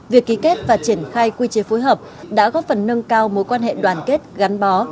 việc ký kết và triển khai quy chế phối hợp đã góp phần nâng cao mối quan hệ đoàn kết gắn bó